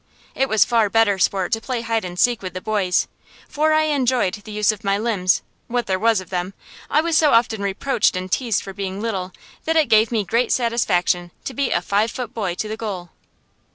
It was far better sport to play hide and seek with the boys, for I enjoyed the use of my limbs what there was of them. I was so often reproached and teased for being little, that it gave me great satisfaction to beat a five foot boy to the goal.